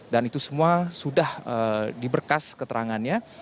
dan itu semua sudah diberkas keterangannya